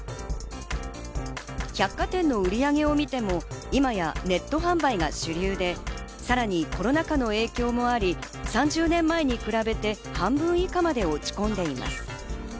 百貨店の売り上げを見ても、今やネット販売が主流でさらにコロナ禍の影響もあり、３０年前に比べて半分以下まで落ち込んでいます。